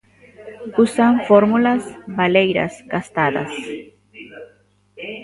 Usan fórmulas baleiras, gastadas.